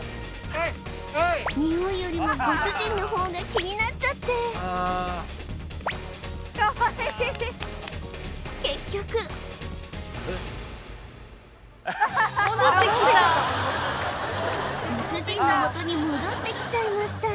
ニオイよりもご主人の方が気になっちゃって結局ご主人のもとに戻ってきちゃいました